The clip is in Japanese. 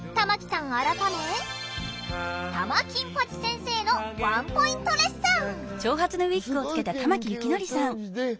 改め玉金八先生のワンポイントレッスン。